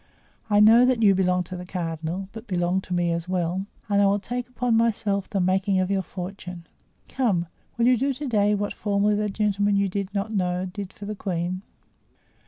I know that you belong to the cardinal, but belong to me as well, and I will take upon myself the making of your fortune. Come, will you do to day what formerly the gentleman you do not know did for the queen?"